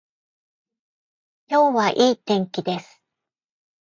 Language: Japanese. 今日はいい天気です。